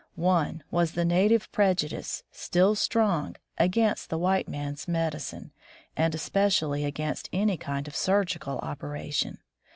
One was the native prejudice, still strong, against the white man's medicine, and especially against any kind of surgical operation.